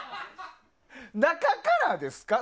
中からですか？